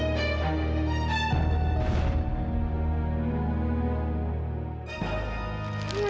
ibu itu kan